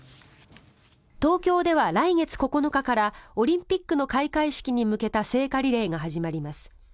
東京では来月９日からオリンピックの開会式に向けた聖火リレーが始まります。